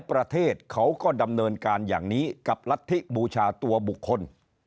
ประเทศเขาก็ดำเนินการอย่างนี้กับรัฐธิบูชาตัวบุคคล